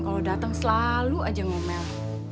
kalau datang selalu aja ngomel